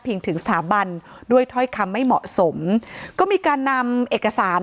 ถึงสถาบันด้วยถ้อยคำไม่เหมาะสมก็มีการนำเอกสาร